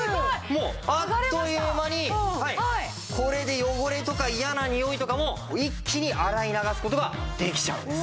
もうあっという間にこれで汚れとか嫌なにおいとかも一気に洗い流す事ができちゃうんです。